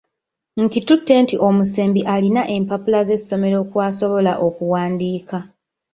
Nkitutte nti omusembi alina empappula z'essomero kw'asobola okuwandiika.